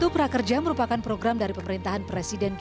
para penerimaan alhamdulillah kernel ini mereka jelas